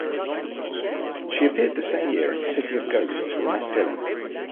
She appeared the same year in "City of Ghosts" with Matt Dillon.